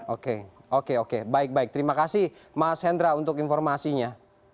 oke oke oke baik baik terima kasih mas hendra untuk informasinya